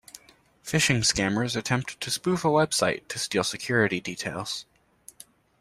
Phishing scammers attempt to spoof a website to steal security details.